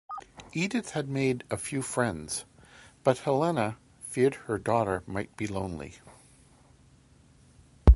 Edith had made a few friends, but Helena feared her daughter might be lonely.